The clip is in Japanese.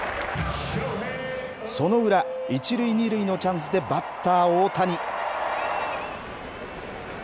その裏、１塁２塁のチャンスで、バッター大谷。